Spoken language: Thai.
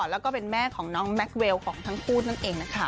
แล้วก็เป็นแม่ของน้องแม็กเวลของทั้งคู่นั่นเองนะคะ